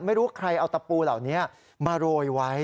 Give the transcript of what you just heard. ไม่รู้ใครเอาตะปูเหล่านี้มาโรยไว้